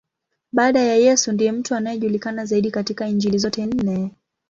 Baada ya Yesu, ndiye mtu anayejulikana zaidi katika Injili zote nne.